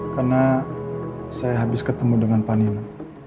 karena saya habis ketemu dengan panino